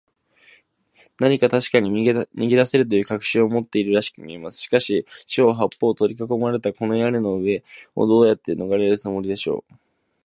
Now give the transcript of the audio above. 何かたしかに逃げだせるという確信を持っているらしくみえます。しかし、四ほう八ぽうからとりかこまれた、この屋根の上を、どうしてのがれるつもりでしょう。